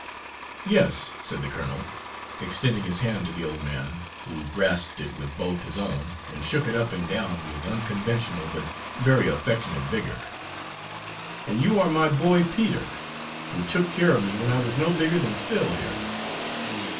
"Yes," said the colonel, extending his hand to the old man, who grasped it with both his own and shook it up and down with unconventional but very affectionate vigour, "and you are my boy Peter; who took care of me when I was no bigger than Phil here!"